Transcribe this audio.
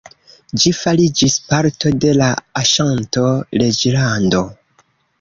Ĝi fariĝis parto de la Aŝanto-Reĝlando.